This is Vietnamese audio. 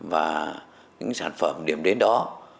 và những sản phẩm điểm đến đó